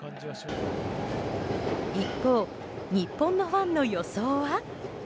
一方、日本のファンの予想は？